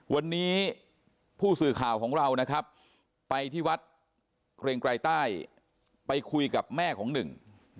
วันนี้ผู้สื่อข่าวของเรานะครับไปที่วัดเกรงไกรใต้ไปคุยกับแม่ของหนึ่ง